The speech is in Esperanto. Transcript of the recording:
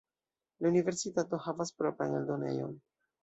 La universitato havas propran eldonejon.